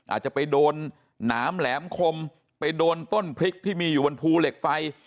อาจจะไปโดนหนามแหลมคมไปโดนต้นพริกที่มีอยู่บนภูเหล็กไฟ